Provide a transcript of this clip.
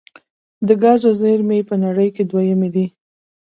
د ګازو زیرمې یې په نړۍ کې دویمې دي.